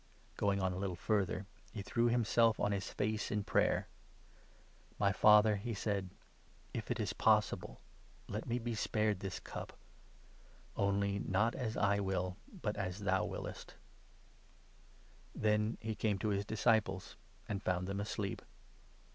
Going on a little further, he threw himself on his face in 39 prayer. " My Father," he said, "if it is possible, let me be spared this cup ; only, not as I will, but as thou wiliest." Then he came to his disciples, and found them asleep.